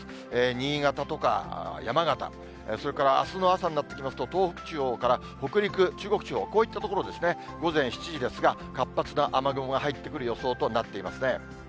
新潟とか山形、それからあすの朝になってきますと、東北地方から北陸、中国地方、こういった所ですね、午前７時ですが、活発な雨雲が入ってくる予想となっていますね。